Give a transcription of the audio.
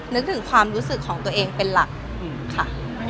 นึกถึงความรู้สึกของตัวเองเป็นหลักค่ะ